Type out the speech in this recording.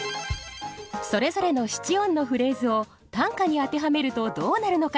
それぞれの七音のフレーズを短歌に当てはめるとどうなるのか。